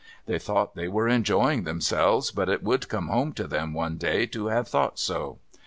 They thought they were enjoying themselves, but it would come home to them one day to have thought so.